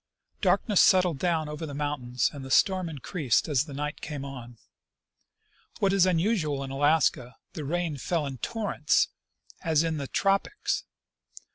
Darkness settled down over the mountains, and the storm in creased as the night came on. What is unusual in Alaska, the rain fell in torrents, as in the tropics.